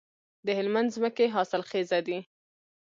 د هلمند ځمکې حاصلخیزه دي